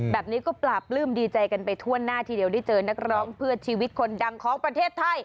แบบนี้ก็ปราบปลื้มดีใจกันไปทั่วหน้าทีเดียวได้เจอนักร้องเพื่อชีวิตคนดังของประเทศไทย